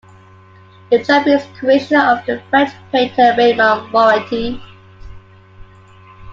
The trophy is a creation of the French painter Raymond Moretti.